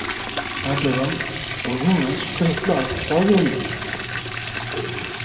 Radyodan uzun ve sürekli alkışlar geldi.